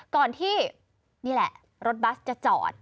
ก่อนที่นี่แหละรถบัสจะจอด